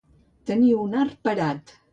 Tenir un art parat.